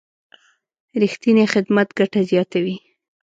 رښتینی خدمت ګټه زیاتوي.